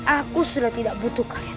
aku sudah tidak butuh kalian lagi